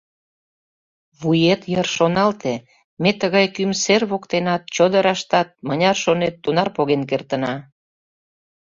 «Вует йыр шоналте, ме тыгай кӱм сер воктенат, чодыраштат, мыняр шонет, тунар поген кертына».